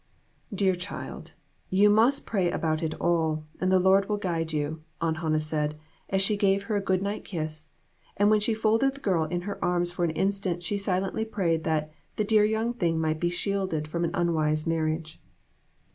"Dear child, you must pray about it all, and the Lord will guide you," Aunt Hannah said, as she gave her a good night kiss, and while she folded the girl in her arms for an instant she silently prayed that "the dear young thing might be shielded from an unwise marriage."